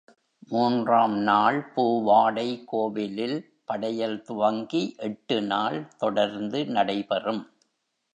மூன்றாம் நாள் பூவாடை கோவிலில் படையல் துவங்கி எட்டு நாள் தொடர்ந்து நடைபெறும்.